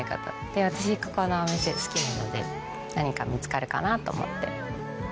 で私ここのお店好きなので何か見つかるかなと思って。